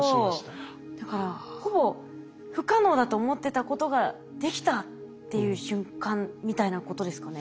ほぼ不可能だと思ってたことができたっていう瞬間みたいなことですかね？